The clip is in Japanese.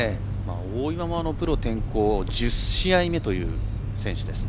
大岩もプロ転向１０試合目という選手です。